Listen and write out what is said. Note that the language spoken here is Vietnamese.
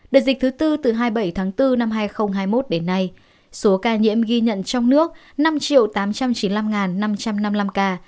đợt dịch thứ tư từ hai mươi bảy tháng bốn năm hai nghìn hai mươi một đến nay số ca nhiễm ghi nhận trong nước năm tám trăm chín mươi năm năm trăm năm mươi năm ca